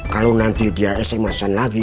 kalau nanti dia esen masan lagi